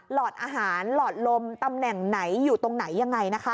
หอดอาหารหลอดลมตำแหน่งไหนอยู่ตรงไหนยังไงนะคะ